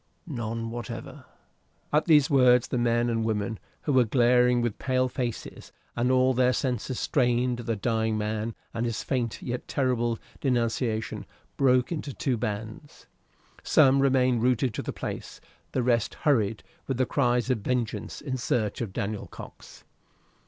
"None whatever." At these words the men and women, who were glaring with pale faces and all their senses strained at the dying man and his faint yet terrible denunciation, broke into two bands; some remained rooted to the place, the rest hurried, with cries of vengeance, in search of Daniel Cox.